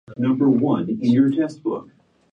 ムルシア県の県都はムルシアである